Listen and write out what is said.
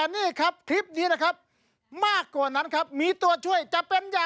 สักครู่นะครับว่า